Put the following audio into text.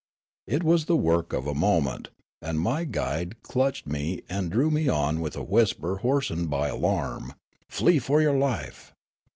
It was the work of a moment, and my guide clutched' me and drew me on with a whisper hoarsened by alarm :" Flee for your life."